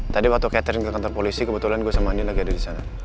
tadi waktu catering ke kantor polisi kebetulan gue sama andi lagi ada di sana